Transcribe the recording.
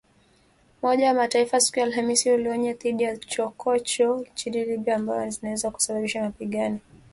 Umoja wa Mataifa siku ya Alhamis ulionya dhidi ya “chokochoko” nchini Libya ambazo zinaweza kusababisha mapigano.